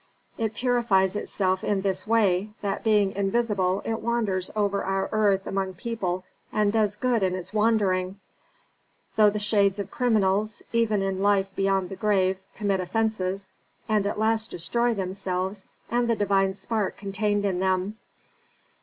It purifies itself in this way, that being invisible it wanders over our earth among people and does good in its wandering, though the shades of criminals, even in life beyond the grave, commit offences, and at last destroy themselves and the divine spark contained in them.